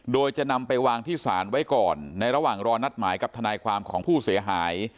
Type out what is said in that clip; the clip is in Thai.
โดยจะนำไปวางที่ศาลไว้ก่อนในระหว่างรอนัดหมายกับทนายความของผู้เสียหาย